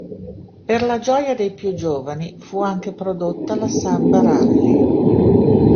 Per la gioia dei più giovani, fu anche prodotta la "Samba Rallye".